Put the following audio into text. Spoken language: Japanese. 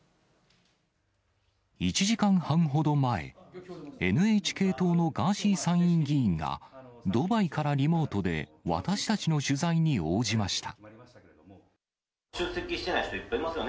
１時間半ほど前、ＮＨＫ党のガーシー参院議員が、ドバイからリモートで、私たちの出席してない人、いっぱいいますよね。